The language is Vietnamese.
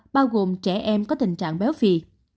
bao gồm trẻ em có tình trạng béo phì